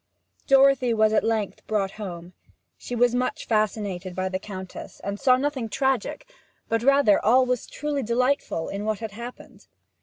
Dorothy was at length brought home; she was much fascinated by the Countess, and saw nothing tragic, but rather all that was truly delightful, in what had happened.